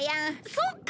そっか！